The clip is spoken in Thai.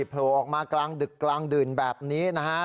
โผล่ออกมากลางดึกกลางดื่นแบบนี้นะฮะ